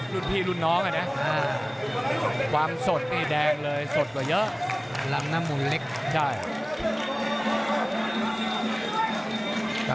รุ่นพี่รุ่นน้องอ่ะนะความสดนี่แดงเลยสดกว่าเยอะลำน้ำมุนเล็กได้